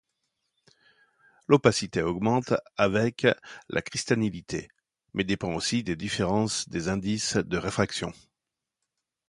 L'opacité augmente avec la cristallinité, mais dépend aussi des différences des indices de réfraction.